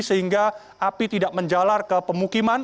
sehingga api tidak menjalar ke pemukiman